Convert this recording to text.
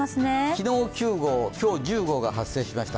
昨日、９号、今日１０号が発生しました。